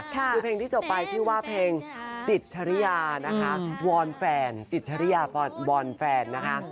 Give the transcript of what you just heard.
คือเพลงที่จบไม่พี่ว่าเพลงจิตชะเรียครับวอนแฟนจิตชะเรียบอนแฟนนะคะ